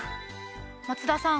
松田さん